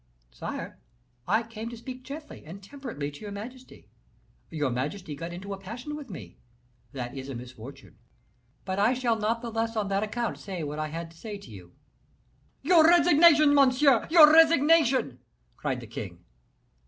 "Sire, I came to speak gently and temperately to your majesty; your majesty got into a passion with me; that is a misfortune; but I shall not the less on that account say what I had to say to you." "Your resignation, monsieur, your resignation!" cried the king.